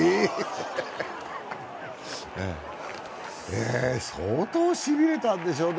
え、相当しびれたんでしょう。